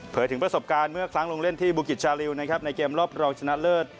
ถึงประสบการณ์เมื่อครั้งลงเล่นที่บุกิจชาลิวนะครับในเกมรอบรองชนะเลิศ